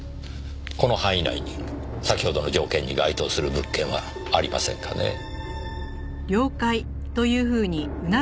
この範囲内に先ほどの条件に該当する物件はありませんかねぇ？